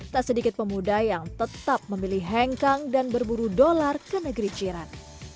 tak sedikit pemuda yang tetap memilih hengkang dan berburu dolar ke negeri jiran